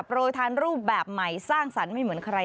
โรยทานรูปแบบใหม่สร้างสรรค์ไม่เหมือนใคร